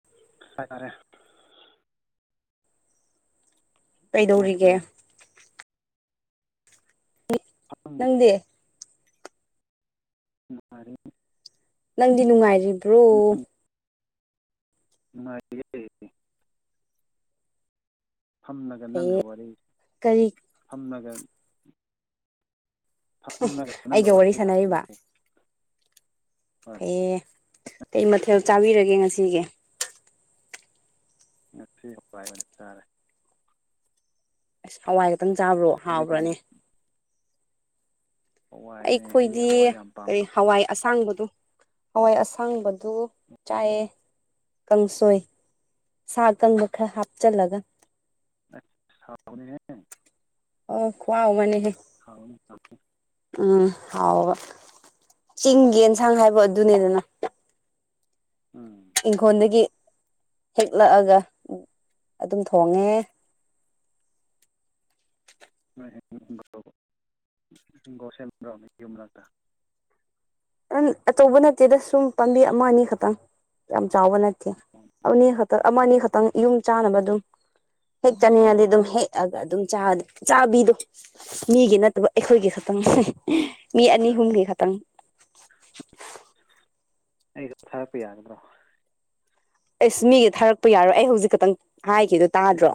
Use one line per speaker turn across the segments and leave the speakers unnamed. [unintelligible] ꯅꯨꯡꯉꯥꯏꯔꯤꯕ꯭ꯔꯣ
ꯀꯩꯗꯧꯔꯤꯒꯦ
ꯐꯝꯂꯤ
ꯅꯪꯗꯤ
[unintelligible]
ꯅꯪꯗꯤ ꯅꯨꯡꯉꯥꯏꯔꯤꯕ꯭ꯔꯣ
ꯅꯨꯡꯉꯥꯏ [unintelligible] ꯐꯝꯃꯒ ꯅꯪꯒ
ꯐꯩꯌꯦ
ꯋꯥꯔꯤ
ꯀꯔꯤ
ꯐꯝꯃꯒ ꯐꯝꯃꯒ ꯅꯪꯒꯥ
ꯑꯩꯒ
ꯋꯥꯔꯤ ꯁꯥꯔꯤ
ꯁꯥꯟꯅꯔꯤꯕ ꯐꯩꯌ‌ꯦ ꯀꯩ ꯃꯊꯦꯜ ꯆꯥꯕꯤꯔꯒꯦ ꯉꯁꯤꯒꯤ
ꯉꯁꯤ ꯍꯋꯥꯏ ꯑꯣꯏꯅ ꯆꯥꯔꯦ
ꯑꯁ ꯍꯋꯥꯏ ꯈꯛꯇꯪ ꯆꯥꯕ꯭ꯔꯣ
ꯁꯤꯁꯇꯔꯗꯤ ꯀꯔꯤ
ꯍꯥꯎꯕ꯭ꯔꯅꯦ
ꯍꯋꯥꯏꯅꯦ ꯑꯩꯗꯤ
ꯑꯩꯈꯣꯏꯗꯤ
ꯍꯋꯥꯏ ꯌꯥꯝ
ꯀꯩ
ꯄꯥꯝꯕ
ꯍꯋꯥꯏ ꯑꯁꯥꯡꯕꯗꯣ ꯍꯋꯥꯏ ꯑꯁꯥꯡꯕꯗꯨ
ꯑꯣ
ꯆꯥꯏꯌꯦ ꯀꯪꯁꯣꯏ ꯁꯥ ꯑꯀꯪꯕ ꯈꯔ ꯍꯥꯞꯆꯜꯂꯒ
ꯑꯁ ꯍꯥꯎꯅꯤꯍ‌ꯦ
ꯑꯣ ꯈꯨꯍꯥꯎ ꯑꯃꯅ‌ꯦꯍꯦ
ꯍꯥꯎꯅꯤ [unintelligible]
ꯎꯝ ꯍꯥꯎꯕ ꯆꯤꯡꯒꯤ ꯑꯦꯟꯁꯥꯡ ꯍꯥꯏꯕ ꯑꯗꯨꯅꯤꯗꯅ
ꯎꯝ
ꯏꯪꯈꯣꯟꯗꯒꯤ ꯍꯦꯛꯂꯛꯑꯒ ꯑꯗꯨꯝ ꯊꯣꯡꯉꯦ
[unintelligible] ꯍꯤꯡꯒꯣꯟ ꯁ‌ꯦꯝꯕ‌꯭ꯔ‌ꯣ ꯃꯌꯨꯝꯂꯛꯇ
ꯑꯆꯧꯕ ꯅꯠꯇꯦꯗ ꯁꯨꯝ ꯄꯥꯝꯕꯤ ꯑꯃ ꯑꯅꯤ ꯈꯇꯪ ꯌꯥꯝ ꯆꯥꯎꯕ ꯅꯠꯇꯦ
ꯑꯣ
ꯑꯅꯤ ꯈꯛꯇꯪ ꯑꯃ
ꯑꯣ
ꯑꯅꯤ ꯈꯛꯇꯪ ꯏꯌꯨꯝ ꯆꯥꯅꯕ ꯑꯗꯨꯝ ꯍꯦꯛ ꯆꯥꯅꯤꯡꯉꯗꯤ
ꯑꯣ
ꯑꯗꯨꯝ ꯍꯦꯛꯑꯒ ꯑꯗꯨꯝ ꯆꯥ ꯆꯥꯕꯤꯗꯣ ꯃꯤꯒꯤ ꯅꯠꯇꯕ
ꯎꯝ
ꯑꯩꯈꯣꯏꯒꯤ ꯈꯛ ꯃꯤ ꯑꯅꯤ ꯑꯍꯨꯝꯒꯤ ꯈꯇꯪ
ꯑꯩ [unintelligible] ꯊꯥꯔꯛꯄ ꯌꯥꯒꯗ꯭ꯔꯣ
ꯑꯁ ꯃꯤꯒ ꯊꯥꯔꯛꯄ ꯌꯥꯔꯣꯏ ꯑꯩ ꯍꯧꯖꯤꯛ ꯈꯛꯇꯪ ꯍꯥꯏꯈꯤꯗꯣ ꯇꯥꯗ꯭ꯔꯣ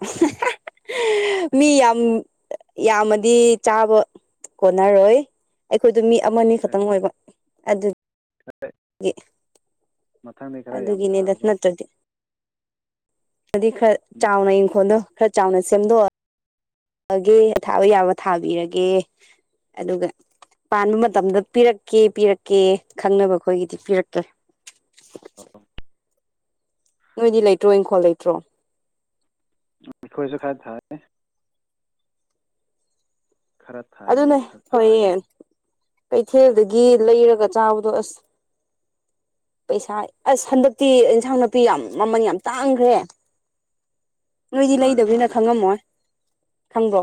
ꯃꯤ ꯌꯥꯝ ꯌꯥꯝꯃꯗꯤ ꯆꯥꯕ ꯀꯣꯟꯅꯔꯣꯏ ꯑꯩꯈꯣꯏꯗꯣ ꯃꯤ ꯑꯃꯅꯤ ꯈꯛꯇꯪ ꯑꯣꯏꯕ ꯑꯗꯨ ꯒꯤ
ꯃꯊꯪꯗꯤ ꯈꯔ ꯌꯥꯝ ꯊꯥꯔꯕꯣ
ꯅꯠꯇ꯭ꯔꯗꯤ ꯑꯗꯨꯗꯤ ꯈꯔ ꯆꯥꯎꯅ ꯏꯪꯈꯣꯜꯗꯣ ꯈꯔ ꯆꯥꯎꯅ ꯁꯦꯝꯗꯣꯛꯑ ꯑꯒꯦ ꯑ ꯊꯥꯕ ꯌꯥꯕ ꯊꯥꯕꯤꯔꯒꯦ ꯑꯗꯨꯒ ꯄꯥꯟꯕ ꯃꯇꯝꯗ
ꯑꯣ
ꯄꯤꯔꯛꯀꯦ ꯄꯤꯔꯛꯀꯦ ꯈꯪꯅꯕ ꯑꯈꯣꯏꯒꯤꯗꯤ ꯄꯤꯔꯛꯀꯦ ꯅꯣꯏꯗꯤ ꯂꯩꯇ꯭ꯔꯣ ꯏꯪꯈꯣꯜ ꯂꯩꯇ꯭ꯔꯣ
ꯑꯈꯣꯏꯁꯨ ꯈꯥꯏ ꯊꯥꯏ ꯈꯔ ꯊꯥꯏ
ꯑꯗꯨꯅꯦ
ꯆꯥꯏ
ꯍꯣꯏꯌꯦ ꯀꯩꯊꯦꯜꯗꯒꯤ ꯂꯩꯔꯒ ꯆꯥꯕꯗꯣ ꯑꯁ ꯄꯩꯁꯥ ꯑꯁ ꯍꯟꯗꯛꯇꯤ ꯏꯟꯁꯥꯡ ꯅꯥꯄꯤ ꯌꯥꯝ ꯃꯃꯜ ꯌꯥꯝ ꯇꯥꯡꯒ꯭ꯔꯦ ꯅꯣꯏꯗꯤ
ꯃꯥꯅꯦ
ꯂꯩꯗꯕꯅꯤꯅ
ꯃꯥꯅꯦ
ꯈꯪꯉꯝꯃꯣꯏ ꯈꯪꯕ꯭ꯔꯣ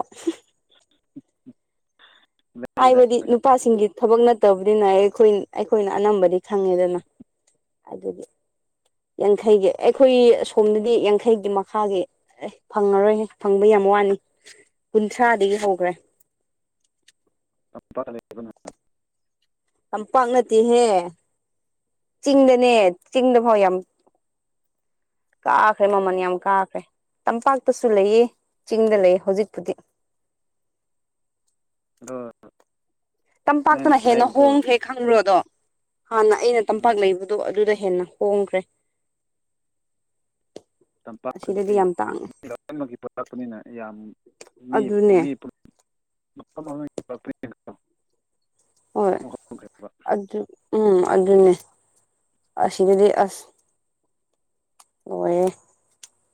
[unintelligible] ꯂꯩꯗ
ꯍꯥꯏꯕꯗꯤ
ꯑꯩꯈꯣꯏꯁꯨ
ꯅꯨꯄꯥꯁꯤꯡꯒꯤ ꯊꯕꯛ ꯅꯠꯇꯕꯅꯤꯅ ꯑꯩꯈꯣꯏ ꯑꯩꯈꯣꯏꯅ ꯑꯅꯝꯕꯗꯤ ꯈꯪꯉꯦꯗꯅ ꯑꯗꯨꯒꯤ ꯌꯥꯡꯈꯩꯒꯤ ꯑꯩꯈꯣꯏ ꯑꯁꯣꯝꯗꯗꯤ ꯌꯥꯡꯈꯩꯒꯤ ꯃꯈꯥꯒꯤ ꯑꯦ ꯐꯪꯉꯔꯣꯏꯍꯦ ꯐꯪꯕ ꯌꯥꯝ ꯋꯥꯅꯤ
ꯎꯝ
ꯀꯨꯟꯊ꯭ꯔꯥꯗꯒꯤ ꯍꯧꯈ꯭ꯔꯦ
[unintelligible]
ꯌꯥꯝ ꯄꯥꯛꯅꯠꯇꯦꯍꯦ ꯆꯤꯡꯗꯅꯦ ꯆꯤꯡꯗꯐꯥꯎ ꯌꯥꯝ ꯀꯥꯈ꯭ꯔꯦ ꯃꯃꯜ
ꯑꯣ
ꯌꯥꯝ ꯀꯥꯈ꯭ꯔꯦ ꯇꯝꯄꯥꯛꯇꯁꯨ ꯂꯩꯌꯦ ꯆꯤꯡꯗ ꯂꯩꯌꯦ ꯍꯧꯖꯤꯛꯄꯨꯗꯤ
ꯑꯗꯣ ꯅꯣꯏꯅ
ꯇꯝꯄꯥꯛꯇꯅ ꯍꯦꯟꯅ
ꯂꯩꯕꯗꯨ
ꯍꯣꯡꯈ꯭ꯔꯦ ꯈꯪꯕ꯭ꯔꯣꯗꯣ ꯍꯥꯟꯅ ꯑꯩꯅ ꯇꯝꯄꯥꯛ
ꯎꯝ
ꯂꯩꯕꯗꯣ ꯑꯗꯨꯗ ꯍꯦꯟꯅ ꯍꯣꯡꯈ꯭ꯔꯦ ꯑꯁꯤꯗꯗꯤ
ꯇꯝꯄꯥꯛꯇꯗꯤ
ꯌꯥꯝ ꯇꯥꯡꯉꯦ
ꯃꯤ ꯂꯣꯏꯃꯒꯤ ꯄꯨꯟꯂꯛꯄꯅꯤꯅ ꯌꯥꯝ ꯃꯤ
ꯑꯗꯨꯅꯦ
ꯃꯤ ꯄꯨꯟ ꯃꯐꯝ [unintelligible]
ꯍꯣꯏ
ꯑꯃꯨꯛ ꯍꯣꯡꯈ꯭ꯔꯦꯕ
ꯑꯗꯨ ꯎꯝ ꯑꯗꯨꯅꯦ ꯑꯁꯤꯗꯗꯤ ꯑꯁ ꯑꯣꯏꯌꯦ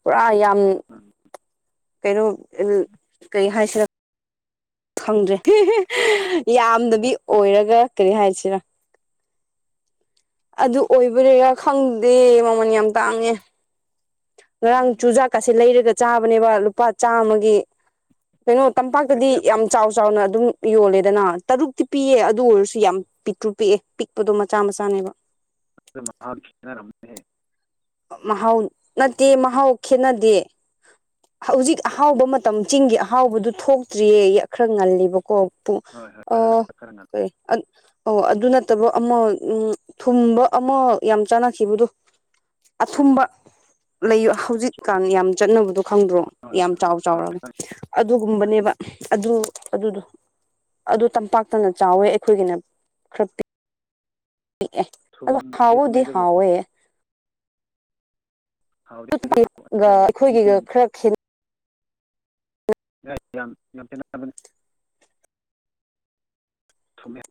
ꯄꯨꯔꯥ ꯌꯥꯝ
ꯎꯝ
ꯀꯩꯅꯣ ꯀꯩ ꯍꯥꯏꯁꯤꯔ ꯈꯪꯗ꯭ꯔꯦ ꯌꯥꯝꯅꯗꯤ ꯑꯣꯏꯔꯒ ꯀꯔꯤ ꯍꯥꯏꯁꯤꯔ ꯑꯗꯨ ꯑꯣꯏꯕꯔꯤꯔꯥ ꯈꯪꯗꯦ ꯃꯃꯜ ꯌꯥꯝ ꯇꯥꯡꯉꯦ ꯉꯔꯥꯡ
ꯎꯝ
ꯆꯨꯖꯥꯛꯀꯁꯤ ꯂꯩꯔꯒ ꯆꯥꯕꯅꯦꯕ ꯂꯨꯄꯥ ꯆꯥꯃꯒꯤ ꯀꯩꯅꯣ ꯇꯝꯄꯥꯛꯇꯗꯤ
ꯀꯌꯥ ꯐꯪ
ꯌꯥꯝ ꯆꯥꯎ ꯆꯥꯎꯅ ꯑꯗꯨꯝ ꯌꯣꯜꯂꯦꯗꯅ ꯇꯔꯨꯛꯇꯤ ꯄꯤꯌꯦ ꯑꯗꯨ ꯑꯣꯏꯔꯁꯨ ꯌꯥꯝ ꯄꯤꯛꯇ꯭ꯔꯨ ꯄꯤꯛꯑꯦ ꯄꯤꯛꯄꯗꯣ ꯃꯆꯥ ꯃꯆꯥꯅꯦꯕ
[unintelligible]
ꯃꯍꯥꯎ ꯅꯠꯇꯦ ꯃꯍꯥꯎ ꯈꯦꯠꯅꯗꯦ ꯍꯧꯖꯤꯛ ꯑꯍꯥꯎꯕ ꯃꯇꯝ ꯆꯤꯡꯒꯤ ꯑꯍꯥꯎꯕꯗꯨ ꯊꯣꯛꯇ꯭ꯔꯤꯌꯦ ꯈꯔ ꯉꯜꯂꯤꯕꯀꯣ ꯄꯨꯡ
ꯍꯣꯏ ꯍꯣꯏ ꯑꯗꯨ
ꯑꯣ
ꯈꯔ ꯉꯜꯂꯤ
ꯀꯩ ꯑꯣ ꯑꯗꯨ ꯅꯠꯇꯕ ꯑꯃ ꯎꯝ ꯊꯨꯝꯕ ꯑꯃ ꯌꯥꯝ ꯆꯥꯟꯅꯈꯤꯕꯗꯣ ꯑꯊꯨꯝꯕ ꯂꯩ ꯍꯧꯖꯤꯛꯀꯥꯟ ꯌꯥꯝ ꯆꯠꯅꯕꯗꯣ ꯈꯪꯗ꯭ꯔꯣ
ꯍꯣꯏ
ꯌꯥꯝ
ꯍꯣꯏ
ꯆꯥꯎ
ꯍꯣꯏ
ꯆꯥꯎꯔꯕꯅꯦ
ꯈꯪꯉꯤ ꯈꯪꯉꯤ
ꯑꯗꯨꯒꯨꯝꯕꯅꯦꯕ
ꯈꯪꯉꯤ
ꯑꯗꯨ ꯑꯗꯨꯗꯣ ꯑꯗꯨ ꯇꯝꯄꯥꯛꯇꯅ ꯆꯥꯎꯋꯦ ꯑꯩꯈꯣꯏꯒꯤꯅ ꯈꯔ ꯄꯤꯛ ꯄꯤꯛꯑꯦ ꯑꯣ
ꯊꯨꯝꯗꯤ ꯊꯨꯝꯃꯦ
ꯍꯥꯎꯕꯕꯨꯗꯤ
ꯑꯗꯨꯕꯨ
ꯍꯥꯎꯋꯦ
ꯍꯥꯎꯗꯦ ꯑꯗꯨꯕꯨ
[unintelligible]
ꯑꯩꯈꯣꯏ
ꯑꯈꯣꯏꯒꯤꯒ
ꯆꯤꯡ
ꯈꯔ ꯈꯦꯠꯅ
[unintelligible]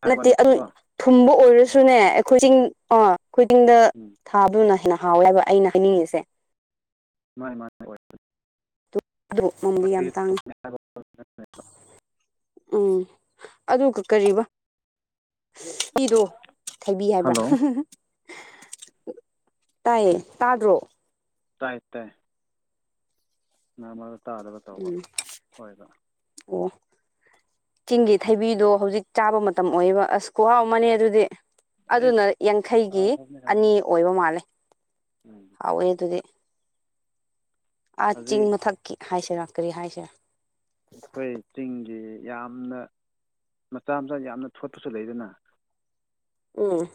ꯍꯥꯏꯕ
ꯅꯠꯇꯦ ꯑꯗꯨ
ꯋꯥꯅꯦꯕꯀꯣ
ꯊꯨꯝꯕ ꯑꯣꯏꯔꯁꯨꯅꯦ ꯑꯩꯈꯣꯏ ꯆꯤꯡ ꯑ ꯑꯩꯈꯣꯏ ꯆꯤꯡꯗ
ꯎꯝ
ꯊꯥꯕꯗꯨꯅ ꯍꯦꯟꯅ ꯍꯥꯎꯋꯦ ꯍꯥꯏꯕ ꯑꯩꯅ ꯍꯥꯏꯅꯤꯡꯉꯤꯁꯦ
ꯃꯥꯅꯤ [unintelligible]
ꯑꯗꯨ ꯃꯃꯜꯗꯤ ꯌꯥꯝ ꯇꯥꯡꯉꯤ꯫
[unintelligible]
ꯎꯝ ꯑꯗꯨꯒ ꯀꯔꯤꯕ ꯄꯤꯗꯣ ꯊꯩꯕꯤ ꯍꯥꯏꯕ꯭ꯔꯥ
ꯍꯜꯂꯣ
ꯇꯥꯏꯌꯦ ꯇꯥꯗ꯭ꯔꯣ
ꯇꯥꯏ ꯇꯥꯏ ꯃꯔꯛ ꯃꯔꯛ ꯇꯥꯗꯕ ꯇꯧꯕ
ꯎꯝ
ꯍꯣꯏꯕ꯫
ꯑꯣ ꯆꯤꯡꯒꯤ ꯊꯩꯕꯤꯗꯣ ꯍꯧꯖꯤꯛ ꯆꯥꯕ ꯃꯇꯝ ꯑꯣꯏꯌꯦꯕ ꯑꯁ ꯈꯨꯍꯥꯎ ꯑꯃꯅꯦ ꯑꯗꯨꯗꯤ꯫ ꯑꯗꯨꯅ
ꯑꯩꯁ
ꯌꯥꯡꯈꯩꯒꯤ
ꯍꯥꯎꯈ꯭ꯔꯕꯅꯤ
ꯑꯅꯤ
ꯍꯥꯎꯈ꯭ꯔꯕꯅꯤ
ꯑꯣꯏꯕ ꯃꯥꯜꯂꯦ
ꯎꯝ
ꯍꯥꯎꯋꯦ ꯑꯗꯨꯗꯤ꯫ ꯑꯥ ꯆꯤꯡ
ꯍꯧꯖꯤꯛ
ꯃꯊꯛꯀꯤ ꯍꯥꯏꯁꯤꯔꯥ ꯀꯔꯤ ꯍꯥꯏꯁꯤꯔꯥ
ꯑꯩꯈꯣꯏ ꯆꯤꯡꯒꯤ ꯌꯥꯝꯅ ꯃꯆꯥ ꯃꯆꯥ ꯌꯥꯝꯅ ꯊꯣꯠꯄꯁꯨ ꯂꯩꯗꯅ
ꯎꯝ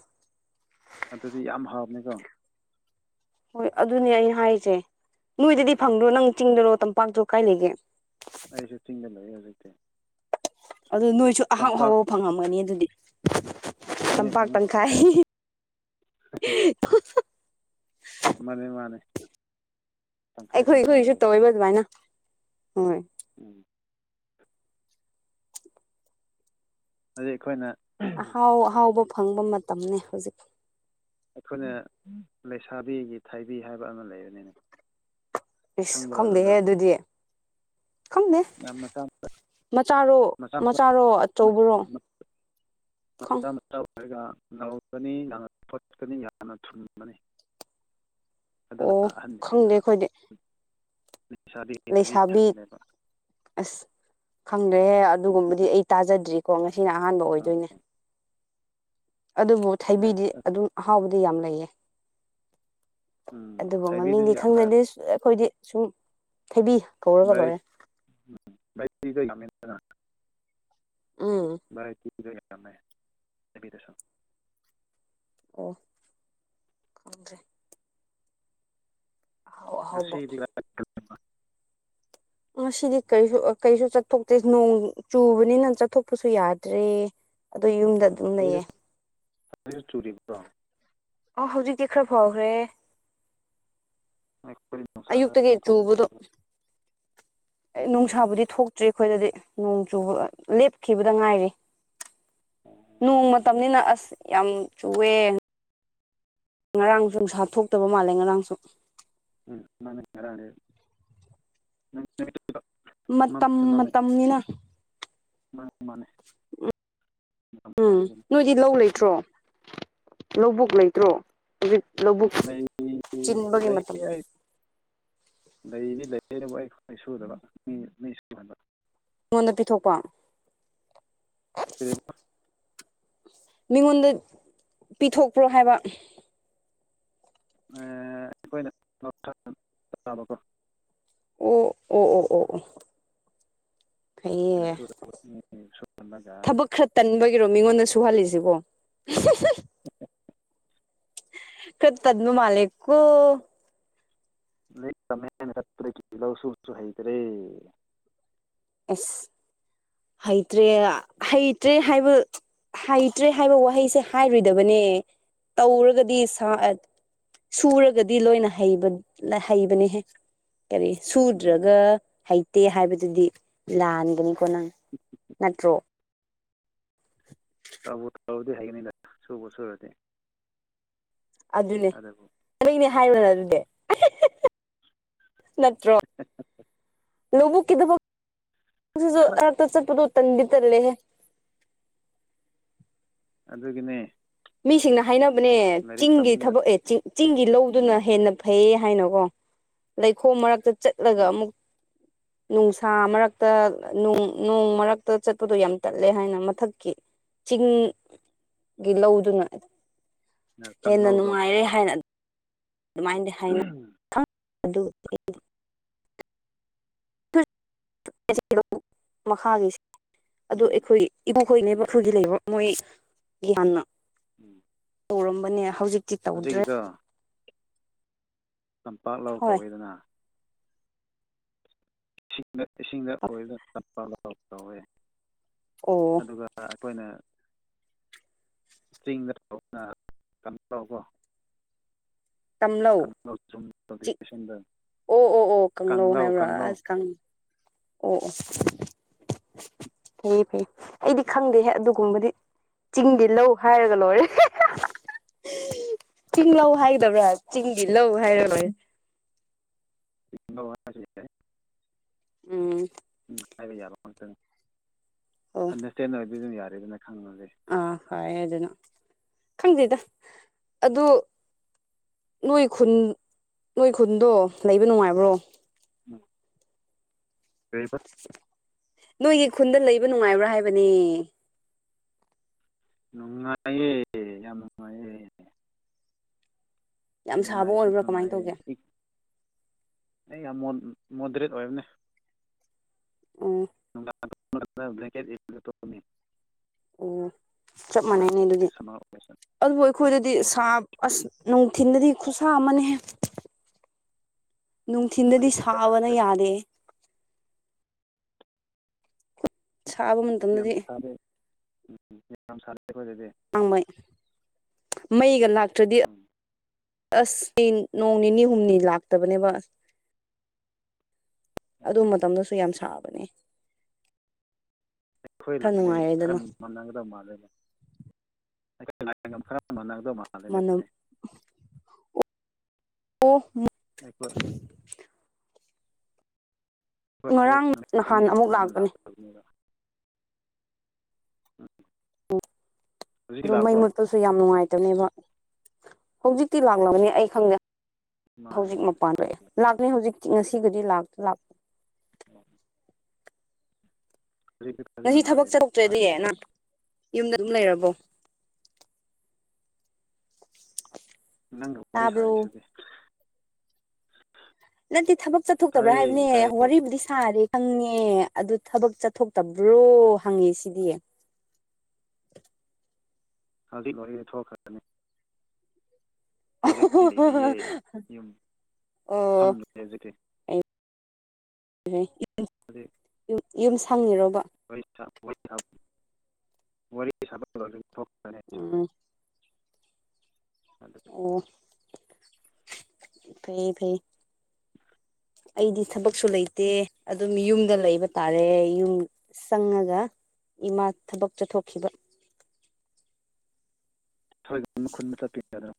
ꯑꯗꯨꯗꯤ ꯌꯥꯝ ꯍꯥꯎꯕꯅꯤꯀꯣ
ꯍꯣꯏ ꯑꯗꯨꯅꯦ ꯑꯩꯅ ꯍꯥꯏꯔꯤꯁꯦ ꯅꯣꯏꯗꯗꯤ ꯐꯪꯗ꯭ꯔꯣ ꯅꯪ ꯆꯤꯡꯗꯔꯣ ꯇꯝꯄꯥꯛꯇꯣ ꯀꯥꯏ ꯂꯩꯒꯦ?
ꯑꯩꯁꯨ ꯆꯤꯡꯗ ꯂꯩꯌꯦ ꯍꯧꯖꯤꯛꯇꯤ꯫
ꯑꯗꯨ ꯅꯣꯏꯁꯨ ꯑꯍꯥꯎ
ꯇꯝꯄꯥꯛ
ꯑꯍꯥꯎꯕ ꯐꯪꯉꯝꯒꯅꯤ ꯑꯗꯨꯗꯤ
ꯐꯪꯉꯦ
ꯇꯝꯄꯥꯛ
ꯐꯪꯉꯦ
ꯇꯪꯈꯥꯏ
ꯃꯥꯅꯦ ꯃꯥꯅꯦ ꯇꯪꯈꯥꯏ
ꯑꯩꯈꯣꯏ
ꯇꯪꯈꯥꯏ
ꯑꯩꯈꯣꯏꯁꯨ
ꯑꯣꯏꯕꯅꯤ
ꯇꯧꯋꯦꯕ ꯑꯗꯨꯃꯥꯏꯅ ꯍꯣꯏ꯫
ꯎꯝ ꯑꯗꯨ ꯑꯩꯈꯣꯏꯅ
ꯑꯍꯥꯎ ꯑꯍꯥꯎꯕ ꯐꯪꯕ ꯃꯇꯝꯅꯦ ꯍꯧꯖꯤꯛ꯫
ꯑꯩꯈꯣꯏꯅ ꯂꯩꯁꯥꯕꯤꯒꯤ ꯊꯩꯕꯤ ꯍꯥꯏꯕ ꯑꯃ ꯂꯩꯕꯅꯤꯅꯦ꯫
ꯏꯁ
ꯈꯪꯕ꯭ꯔꯥ
ꯈꯪꯗꯦꯍꯦ
ꯑꯗꯨꯗꯣ
ꯑꯗꯨꯗꯤ ꯈꯪꯗꯦ
ꯌꯥꯝ ꯃꯆꯥ
ꯃꯆꯥꯔꯣ
ꯃꯆꯥ ꯃꯆꯥ
ꯃꯆꯥꯔꯣ ꯑꯆꯧꯕꯔꯣ ꯈꯪ
[unintelligible] ꯑꯗꯨꯅ
ꯑꯣ ꯈꯪꯗꯦ
ꯑꯍꯟꯁꯤꯡꯅ
ꯑꯈꯣꯏꯗꯤ꯫
[unintelligible]
ꯂꯩꯁꯥꯕꯤ
ꯍꯥꯏꯕꯅꯦꯕ
ꯑꯁ ꯈꯪꯗ꯭ꯔꯦꯍꯦ ꯑꯗꯨꯒꯨꯝꯕꯗꯤ ꯑꯩ ꯇꯥꯖꯗ꯭ꯔꯤ꯫ ꯀꯣ ꯉꯁꯤꯅ ꯑꯍꯥꯟꯕ ꯑꯣꯏꯗꯣꯏꯅꯦ ꯑꯗꯨꯕꯨ ꯊꯩꯕꯤꯗꯤ ꯑꯗꯨꯝ ꯑꯍꯥꯎꯕ ꯌꯥꯝ ꯂꯩꯌꯦ
ꯎꯝ
ꯑꯗꯨꯕꯨ ꯃꯃꯤꯡꯗꯤ
ꯊꯕꯤꯗꯨꯁꯨ ꯌꯥꯝꯅ
ꯈꯪꯅꯗꯤꯁ ꯑꯩꯈꯣꯏꯗꯤ ꯁꯨꯝ ꯊꯩꯕꯤ ꯀꯧꯔꯒ ꯂꯣꯏꯔꯦ
[unintelligible]
ꯎꯝ
[unintelligible]
ꯑꯣ ꯈꯪꯗ꯭ꯔꯦ ꯑꯍꯥꯎ ꯑꯍꯥꯎꯕ
ꯉꯁꯤꯗꯤ [unintelligible]
ꯉꯁꯤꯗꯤ ꯀꯔꯤꯁꯨ ꯑ ꯀꯔꯤꯁꯨ ꯆꯠꯊꯣꯛꯇꯦ ꯅꯣꯡ ꯆꯨꯕꯅꯤꯅ ꯆꯠꯊꯣꯛꯄꯁꯨ ꯌꯥꯗ꯭ꯔꯦ꯫ ꯑꯗꯨ ꯌꯨꯝꯗ
ꯎꯝ
ꯑꯗꯨꯝ
ꯍꯧꯖꯤꯛ
ꯂꯩꯌꯦ꯫
[unintelligible] ꯆꯨꯔꯤꯕ꯭ꯔꯣ
ꯑ ꯍꯧꯖꯤꯛꯇꯤ ꯈꯔ ꯐꯈ꯭ꯔꯦ ꯫
ꯑꯩꯈꯣꯏ ꯅꯨꯡꯁꯥ ꯈꯔ
ꯑꯌꯨꯛꯇꯒꯤ
ꯑꯃꯨꯛ ꯊꯣꯛꯄ
ꯆꯨꯕꯗꯣ
ꯍꯧꯈ꯭ꯔꯦ
ꯑꯦ
ꯑꯣ
ꯅꯨꯡꯁꯥꯕꯨꯗꯤ ꯊꯣꯛꯇ꯭ꯔꯤ ꯑꯩꯈꯣꯏꯗꯗꯤ ꯅꯣꯡ ꯆꯨꯕ ꯂꯦꯞꯈꯤꯕꯗ ꯉꯥꯏꯔꯤ
ꯑꯣ
ꯅꯣꯡ ꯃꯇꯝꯅꯤꯅ ꯑꯁ ꯌꯥꯝ ꯆꯨꯋꯦ ꯉꯔꯥꯡꯁꯨ ꯅꯨꯡꯁꯥ ꯊꯣꯛꯇꯕ ꯃꯥꯜꯂꯦ ꯉꯔꯥꯡꯁꯨ
ꯎꯝ ꯃꯥꯅꯦ ꯉꯔꯥꯡꯗꯩ ꯅꯪ ꯅꯃꯤꯠꯇꯣ ꯎꯗꯣ
ꯃꯇꯝ ꯃꯇꯝꯅꯤꯅ
ꯃꯥꯅꯦ ꯃꯥꯅꯦ ꯃꯇꯝ
ꯎꯝ
ꯋꯥꯏꯕꯒꯤ
ꯅꯣꯏ ꯗꯤ ꯂꯧ ꯂꯩꯇ꯭ꯔꯣ ꯂꯧꯕꯨꯛ ꯂꯩꯇ꯭ꯔꯣ ꯍꯧꯖꯤꯛ ꯂꯧꯕꯨꯛ
ꯂꯩ
ꯆꯤꯟꯕꯒꯤ
ꯂꯩ
ꯃꯇꯝ
ꯑꯩ ꯂꯩꯗꯤ ꯂꯩꯕꯨ ꯑꯩ ꯑꯩ ꯁꯨꯗꯕ ꯃꯤ ꯃꯤ ꯁꯨꯍꯟꯕ
ꯃꯤꯉꯣꯟꯗ ꯄꯤꯊꯣꯛꯄ
ꯀꯔꯤꯕ
ꯃꯤꯉꯣꯟꯗ ꯄꯤꯊꯣꯛꯄ꯭ꯔꯣ ꯍꯥꯏꯕ
ꯑꯩꯈꯣꯏꯅ ꯂꯧꯁꯥꯟ ꯆꯥꯕꯀꯣ
ꯑꯣ ꯑꯣ ꯑꯣ ꯑꯣ ꯑꯣ
ꯑꯩꯈꯣꯏꯅ
ꯐꯩꯌꯦ
ꯁꯨꯗꯕ ꯃꯤ ꯁꯨꯍꯜꯂꯒ
ꯊꯕꯛ ꯈ꯭ꯔ ꯇꯟꯕꯒꯤꯔꯣ ꯃꯤꯉꯣꯟꯗ ꯁꯨꯍꯜꯂꯤꯁꯤꯕꯣ
[unintelligible]
ꯈꯔ ꯇꯟꯕ ꯃꯥꯜꯂꯦꯀꯣ
ꯂꯥꯏꯔꯤꯛ ꯇꯝꯃꯦ ꯍꯥꯏꯅ ꯆꯠꯄꯗꯒꯤ ꯂꯧ ꯁꯨꯕꯁꯨ ꯍꯩꯇ꯭ꯔꯦ
ꯑꯁ ꯍꯩꯇ꯭ꯔꯦ ꯍꯩꯇ꯭ꯔꯦ ꯍꯥꯏꯕ ꯍꯩꯇ꯭ꯔꯦ ꯍꯥꯏꯕ ꯋꯥꯍꯩꯁꯦ ꯍꯥꯏꯔꯣꯏꯗꯕꯅꯦ ꯇꯧꯔꯒꯗꯤ ꯁꯥ ꯁꯨꯔꯒꯗꯤ ꯂꯣꯏꯅ ꯍꯩꯕ ꯍꯩꯕꯅꯤꯍꯦ ꯀꯔꯤ
ꯎꯝ
ꯁꯨꯗ꯭ꯔꯒ ꯍꯩꯇꯦ ꯍꯥꯏꯕꯗꯨꯗꯤ ꯂꯥꯟꯒꯅꯤꯀꯣ ꯅꯪ ꯅꯠꯇ꯭ꯔꯣ
ꯇ ꯇꯧꯔꯗꯤ ꯍꯥꯏꯒꯅꯤꯗ ꯁꯨꯕ ꯁꯨꯔꯗꯤ
ꯑꯗꯨꯅꯦ
ꯑꯗꯨꯕꯨ
ꯀꯩꯅꯦ ꯍꯥꯏꯔꯣꯅ ꯑꯗꯨꯗꯤ ꯅꯠꯇ꯭ꯔꯣ ꯂꯨꯕꯨꯨ ꯀꯗꯕ ꯁꯨ
ꯈꯔ
ꯔꯛꯇ ꯆꯠꯄꯗ ꯎ ꯇꯟꯗꯤ ꯇꯜꯂꯦ ꯍꯦ
ꯑꯗꯨꯒꯤꯅꯦ
ꯃꯤꯁꯤꯡꯅ ꯍꯥꯏꯅꯕꯅꯦ
ꯂꯥꯏꯔꯤꯛ
ꯆꯤꯡꯒꯤ
ꯇꯝꯃꯒ
ꯊꯕꯛ ꯑꯦ ꯆꯤꯡꯒꯤ ꯂꯧꯗꯨꯅ
ꯎꯝ
ꯍꯦꯟꯅ ꯐꯩꯌꯦ ꯍꯥꯏꯅꯀꯣ ꯂꯩꯈꯣꯝ ꯃꯔꯛꯇ ꯆꯠꯂꯒ
ꯎꯝ
ꯑꯃꯨꯛ ꯅꯨꯡꯁꯥ ꯃꯔꯛꯇ ꯅꯣꯡ ꯃꯔꯛꯇ ꯆꯠꯄꯗꯣ ꯌꯥꯝ ꯇꯠꯂꯦ ꯍꯥꯏꯅ ꯃꯊꯛꯀꯤ ꯆꯤꯡꯒꯤ ꯂꯧꯗꯨꯅ ꯍꯦꯟꯅ
ꯀꯥꯡꯂꯧꯗꯣ
ꯅꯨꯡꯉꯥꯏꯔꯦ ꯍꯥꯏꯅ ꯑꯗꯨꯃꯥꯏꯅꯗꯤ ꯍꯥꯏꯅ
ꯎꯝ
ꯑꯗꯨ ꯃꯈꯥꯒꯤ ꯑꯗꯨ
ꯎꯝ
ꯑꯩꯈꯣꯏ ꯏꯕꯣꯈꯣꯏꯅꯦ
ꯎꯝ
ꯃꯈꯥꯒꯤ ꯂꯩꯕ ꯃꯣꯏ ꯒ꯭ꯅꯥꯅ
ꯎꯝ
ꯇꯧꯔꯝꯕꯅꯦ ꯍꯧꯖꯤꯛꯇꯤ ꯇꯧꯗ꯭ꯔꯦ
ꯇꯝꯄꯥꯛ ꯂꯥꯎ
ꯍꯣꯏ
ꯀꯧꯋꯏꯗꯅ ꯏꯁꯤꯡꯗ ꯏꯁꯤꯡꯗ ꯑꯣꯏꯔꯒ ꯆꯞ ꯇꯧꯋꯦ
ꯑꯣ
ꯑꯗꯨꯒ ꯑꯩꯈꯣꯏꯅ ꯆꯤꯡꯗ ꯇꯧꯕꯅ ꯀꯩꯅꯣ ꯀ‌ꯣ
ꯇꯝꯂꯧ
ꯀꯪꯂꯥꯎ ꯖꯨꯝ
ꯆ
ꯀꯜꯇꯤꯚꯦꯁꯟꯗ
ꯑꯣ ꯑꯣ ꯑꯣ ꯀꯪꯂꯧ
ꯀꯪꯂꯥꯎ
ꯍꯥꯏꯕ꯭ꯔꯥ
ꯀꯪꯂꯥꯎ
ꯑꯁ ꯑꯣ
ꯎꯝ
ꯑꯣ ꯐ ꯐꯩ ꯑꯩꯗꯤ ꯈꯪꯗꯦꯍ ꯑꯗꯨꯒꯨꯝꯕꯗꯤ ꯆꯤꯡꯗꯤ ꯂꯧ ꯍꯥꯏꯔꯒ ꯂꯣꯏꯔꯦ ꯆꯤꯡ ꯂꯧ ꯍꯥꯏꯒꯗꯕ꯭ꯔꯥ ꯆꯤꯡꯒꯤ ꯂꯧ ꯍꯥꯏꯔ ꯂꯣꯏ
ꯅ [inaudible]
ꯎꯝ
ꯎꯝ ꯍꯥꯏꯕ ꯌꯥꯕ ꯉꯇꯪ
ꯑꯣ
ꯑꯟꯗꯔꯁꯇꯦꯟ ꯑꯣꯏꯕꯗꯨꯝ ꯌꯥꯔꯦꯗꯅ ꯈꯪꯉꯗꯤ
ꯑꯥ ꯐꯣꯏ ꯑꯗꯨꯅ ꯈꯪꯗꯦꯗ ꯑꯗꯨ ꯅꯣꯏ ꯈꯨꯟ ꯅꯣꯏ ꯈꯨꯟꯗꯣ ꯂꯩꯕ ꯅꯨꯡꯉꯥꯏꯕ꯭ꯔꯣ
ꯎꯝ ꯀꯔꯤꯕ
ꯅꯣꯏꯒꯤ ꯈꯨꯟꯗ ꯂꯩꯕ ꯅꯨꯡꯉꯥꯏꯕ꯭ꯔꯥ ꯍꯥꯏꯕꯅꯦ
ꯅꯨꯡꯉꯥꯏꯌꯦ ꯑꯦ ꯌꯥꯝ ꯅꯨꯡꯉꯥꯏꯌꯦ
ꯌꯥꯝ ꯁꯥꯕ
ꯅꯨꯡꯉꯥꯏꯁꯨ
ꯑꯣꯏꯕ꯭ꯔꯥ ꯀꯃꯥꯏꯅ
ꯅꯨꯡꯉꯥꯏꯑꯦ
ꯇꯧꯒꯦ
ꯏ ꯑꯩ ꯌꯥꯝ ꯃꯣ ꯃꯣꯗꯔꯦꯠ ꯑꯣꯏꯕꯅꯦ
ꯎꯝ
ꯅꯨꯛꯗꯥꯛ [inaudible]
ꯑꯣ ꯆꯞ
ꯅꯨꯡꯗꯥꯡ
ꯃꯥꯟꯅꯩꯅꯦ ꯑꯗꯨꯗꯤ
ꯍꯧꯖꯤꯛ ꯁꯝꯃꯔ ꯑꯣꯏꯕꯁꯤꯗ
ꯑꯗꯨꯕꯨ ꯑꯩꯈꯣꯏꯗꯗꯤ ꯁꯥ ꯑꯁ ꯅꯨꯡꯊꯤꯟꯗꯗꯤ ꯈꯨꯠꯁꯥ ꯑꯃꯅꯦꯍꯦ ꯅꯨꯡꯊꯤꯟꯗꯗꯤ
ꯑꯩꯈꯣꯏꯗꯤ ꯀꯌꯥ
ꯁꯥꯕꯅ
ꯁꯥꯗꯦ
ꯌꯥꯗꯦ ꯁꯥꯕꯒꯨꯝ
ꯌꯥꯝ ꯁꯥꯔꯦ ꯎꯝꯝ ꯌꯥꯝ ꯁꯥꯔꯦ ꯑꯩꯈꯣꯏ ꯑꯗꯨꯗꯤ
ꯍꯥꯡꯃꯩ ꯃꯩꯒ ꯂꯥꯛꯇ꯭ꯔꯗꯤ
ꯎꯝ
ꯑꯁ ꯑꯩ ꯅꯣꯡ ꯅꯤꯅꯤ ꯍꯨꯝꯅꯤ ꯂꯥꯛꯇꯕꯅꯦꯕ ꯑꯁ ꯑꯗꯨ
ꯑꯣ
ꯃꯇꯝꯗꯨꯁꯨ ꯌꯥꯝ ꯁꯥꯕꯅꯦ
ꯑꯩꯈꯣꯏ
ꯈꯔ
ꯂꯥꯡꯈꯩ ꯈꯔ
ꯅꯨꯡꯉꯥꯏꯔꯦꯗꯅ
ꯃꯥꯟꯅꯒꯗꯧ ꯃꯥꯜꯂꯕ ꯑꯩꯈꯣꯏ ꯂꯥꯏꯌꯦ ꯈꯔ ꯃꯥꯟꯅꯒꯗꯧ ꯃꯥꯜꯂꯦ
ꯃꯅꯝ ꯑꯣꯐ
ꯑꯩꯈꯣꯏ
ꯉꯔꯥꯡ ꯅꯍꯥꯟ ꯑꯃꯨꯛ ꯂꯥꯛꯄꯅꯦ
ꯊꯅꯤꯔ ꯑ
ꯑꯗꯨ ꯃꯩ ꯃꯨꯠꯄꯁꯨ ꯌꯥꯝ ꯅꯨꯡꯉꯥꯏꯇꯅꯦꯕ ꯍꯧꯖꯤꯛꯇꯤ ꯂꯥꯛꯂꯕꯅꯤ ꯑꯩ ꯈꯪꯗꯦ
ꯃꯥꯅꯦ
ꯍꯧꯖꯤꯛ
ꯃꯥꯅꯦ
ꯃꯄꯥꯟ ꯂꯑꯦ ꯂꯥꯛꯂ ꯍꯧꯖꯤꯛꯇꯤ ꯉꯁꯤꯒꯗꯤ ꯂꯥꯛꯇ ꯂꯥꯛꯄ
ꯎꯝ ꯍꯧꯖꯤꯛꯇꯤ ꯐꯖꯅ
ꯉꯁꯤ ꯊꯕꯛ
ꯉꯥꯜꯂꯤꯗ ꯂꯥꯛꯑꯦ
ꯆꯠꯔꯛꯇ꯭ꯔꯦ ꯅꯪ ꯌꯨꯝꯗ ꯑꯗꯨꯝ ꯂꯩꯔꯕꯣ [unintelligible]
ꯅꯪꯒ ꯋꯥꯔꯤ
ꯇꯥꯕ꯭ꯔꯣ
ꯁꯥꯔꯤꯗꯤ
ꯅꯠꯇꯦ ꯊꯕꯛ ꯆꯠꯊꯣꯛꯇꯕ꯭ꯔꯥ ꯍꯥꯏꯕꯅꯦ
ꯇꯥꯏꯌꯦ ꯇꯥꯏꯌꯦ
ꯋꯥꯔꯤꯕꯨꯗꯤ ꯁꯥꯔꯦ ꯍꯪꯉꯦ ꯑꯗꯨ ꯊꯕꯛ ꯆꯠꯊꯣꯛꯇꯕ꯭ꯔꯣ ꯍꯪꯉꯦ ꯁꯤꯗꯤ
ꯍ ꯋꯥꯔꯤꯔꯦ ꯊꯣꯛꯈꯔꯦ ꯍꯧꯖꯤꯛꯇꯤ ꯂꯩꯔꯤꯌꯦ
ꯑꯣ
ꯌꯨꯝ ꯐꯝꯗꯦ ꯍꯧꯖꯤꯛꯇꯤ
[inaudible]
ꯑꯗꯤ
ꯌꯨꯝ ꯌꯨꯝ ꯁꯪꯉꯤꯔꯣꯕ
ꯑꯣꯏꯔꯤꯊꯥ ꯍ [inaudible] ꯋꯥꯔꯤ ꯁꯥꯕ [inaudible]
ꯎꯝ
ꯑꯗꯨ
ꯑꯣ ꯐꯩ ꯐꯩ ꯑꯩꯗꯤ ꯊꯕꯛꯁꯨ ꯂꯩꯇꯦ ꯑꯗꯨꯝ ꯌꯨꯝꯗ ꯂꯩꯕ ꯇꯥꯔꯦ ꯌꯨꯝ ꯆꯪꯉꯒ ꯏꯃꯥ ꯊꯕꯛ ꯆꯠꯊꯣꯛꯈꯤꯕ
[unintelligible] ꯈꯨꯟꯗ ꯆꯠꯄꯤꯒꯗ꯭ꯔꯥ